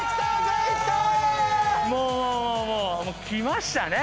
もう来ましたね